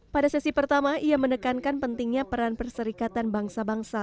pada sesi pertama ia menekankan pentingnya peran perserikatan bangsa bangsa